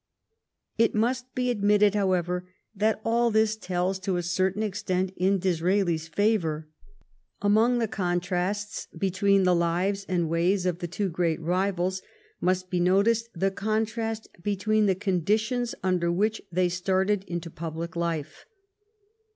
It must be admitted, however, that all this tells to a certain extent in Disraeli's favor. Among the contrasts between the lives and ways of the two great rivals must be noticed the contrast between the conditions under which they started into public life.